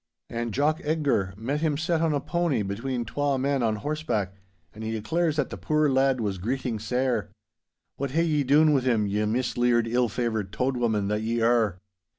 An' Jock Edgar met him set on a pony between twa men on horseback, and he declares that the puir lad was greeting sair. What hae ye dune wi' him, ye misleared, ill favoured Tode woman that ye are?